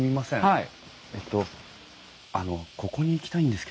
はい。